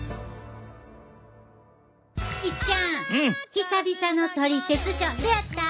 久々の「トリセツショー」どうやった？